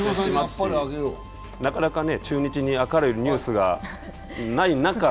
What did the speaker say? なかなか中日に明るいニュースがない中。